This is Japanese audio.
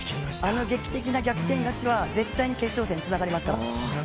あの劇的な逆転勝ちは決勝戦につながりますから。